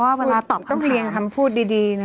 ว่าเวลาตอบคำถามต้องเรียงคำพูดดีนะ